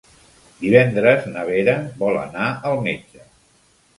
Divendres na Vera vol anar al metge.